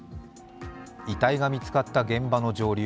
遺体が見つかった現場の上流